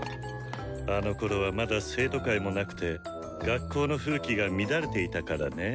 あのころはまだ生徒会もなくて学校の風紀が乱れていたからねぇ。